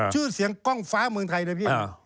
ชื่อเสียงกล้องฟ้าเมืองไทยเลยพี่